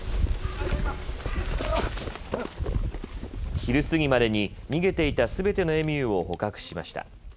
昼過ぎまでに逃げていたすべてのエミューを捕獲しました。